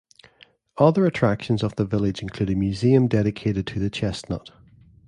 Other attractions of the village include a museum dedicated to the chestnut.